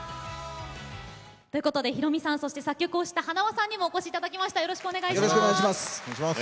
ということでヒロミさんそして作曲をしたはなわさんにもお越しいただきました。